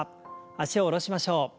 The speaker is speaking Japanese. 脚を下ろしましょう。